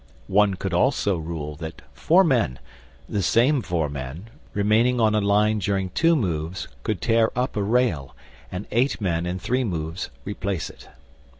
One could also rule that four men the same four men remaining on a line during two moves, could tear up a rail, and eight men in three moves replace it.